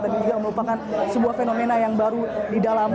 tapi juga merupakan sebuah fenomena yang baru di dalam